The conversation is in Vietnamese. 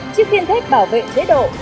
chiếc tiên thết bảo vệ chế độ